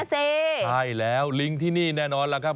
ใช่แล้วลิงก์ที่นี่แน่นอนล่ะครับ